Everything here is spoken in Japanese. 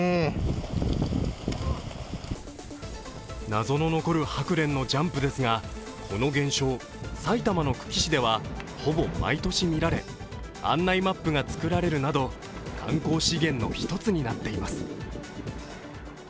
謎の残るハクレンのジャンプですが、この現象、埼玉の久喜市ではほぼ毎年見られ、案内マップが作られるなど観光資源の一つになっています。